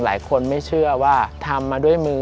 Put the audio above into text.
หลายคนไม่เชื่อว่าทำมาด้วยมือ